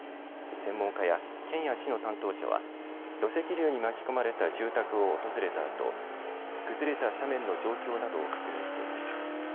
専門家や県や市の担当者は土石流に巻き込まれた住宅を訪れたあと崩れた斜面の状況などを確認していました。